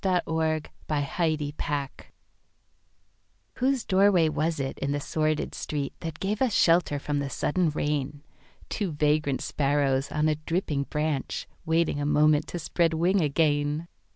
The Rainbow Vine Colby WHOSE doorway was it, in the sordid street, That gave us shelter from the sudden rain,—Two vagrant sparrows on a dripping branch, Waiting a moment to spread wing again?